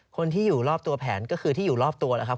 คนที่อยู่รอบตัวแผนก็คือที่อยู่รอบตัวนะครับ